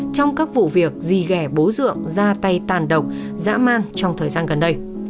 trong các vụ việc gì ghẻ bố dượng ra tay tàn độc dã man trong thời gian gần đây